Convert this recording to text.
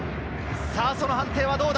その判定はどうだ？